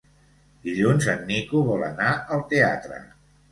Dilluns en Nico vol anar al teatre.